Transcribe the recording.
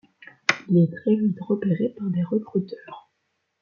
Il est très vite repéré par des recruteurs.